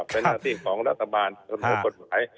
เป็นหน้าที่ของรัฐบาลคุณธกรมกฎหมาย